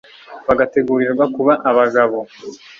bagategurirwa kuba abagabo